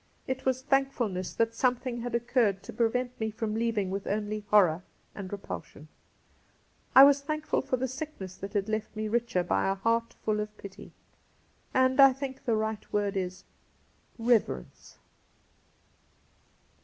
It was thankfulness that something had occurred to prevent me from leaving with only horror and repulsion. I was thankful for the sickness that left me richer by a heart ftiU of pity and — I think the right word is — reverence